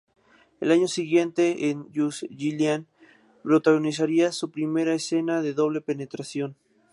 Al año siguiente, en "Just Jillian", protagonizaría su primera escena de doble penetración.